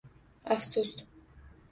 Afsus!